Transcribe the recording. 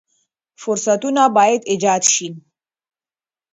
فرصتونه باید ایجاد شي.